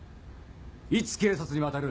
いつ警察に渡る？